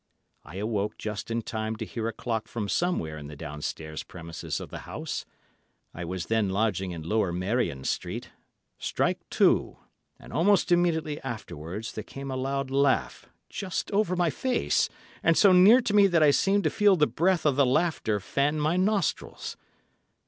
I awoke just in time to hear a clock from somewhere in the downstairs premises of the house—I was then lodging in Lower Merrion Street—strike two, and almost immediately afterwards there came a loud laugh, just over my face, and so near to me that I seemed to feel the breath of the laughter fan my nostrils.